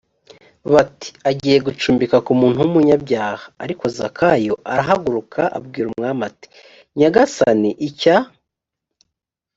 bati agiye gucumbika ku muntu w umunyabyaha ariko zakayo arahaguruka abwira umwami ati nyagasani icya